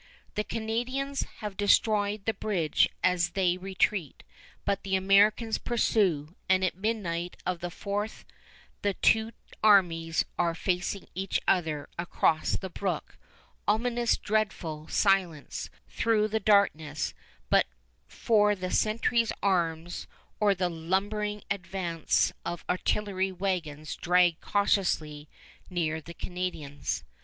The Canadians have destroyed the bridge as they retreat, but the Americans pursue, and at midnight of the 4th the two armies are facing each other across the brook, ominous dreadful silence through the darkness but for the sentry's arms or the lumbering advance of artillery wagons dragged cautiously near the Canadians.